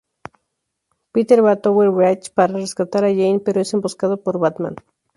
Peter va a Tower Bridge para rescatar a Jane pero es emboscado por Batman.